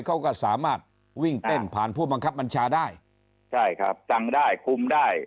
เขาก็สามารถวิ่งเต้นผ่านผู้บังคับบัญชาได้ใช่ครับสั่งได้คุมได้